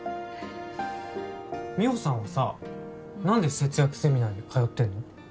美帆さんはさ何で節約セミナーに通ってるの？